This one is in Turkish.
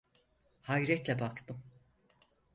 Hayretle baktım.